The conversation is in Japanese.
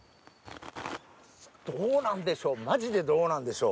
どうなんでしょう？